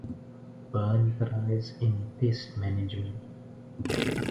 Beirne Prize in Pest Management.